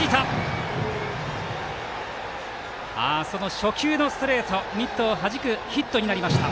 初球のストレートミットをはじくヒットになりました。